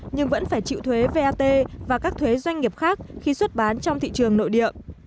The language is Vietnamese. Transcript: nhưng vẫn phải chịu thuế vat và các thuế doanh nghiệp khác khi xuất bán trong thị trường nội địa